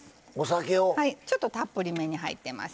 ちょっとたっぷりめに入ってます。